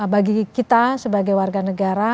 bagi kita sebagai warga negara